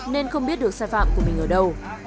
nên không biết được sai phạm của mình ở đâu